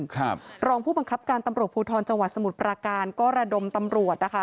ครับรองผู้บังคับการตำรวจภูทรจังหวัดสมุทรปราการก็ระดมตำรวจนะคะ